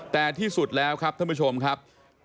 แต่ที่สุดแล้วครับท่านผู้ชมครับ